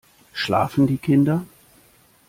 Schlafen die Kinder?